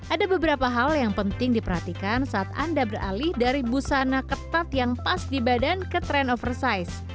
ada beberapa hal yang penting diperhatikan saat anda beralih dari busana ketat yang pas di badan ke trend oversize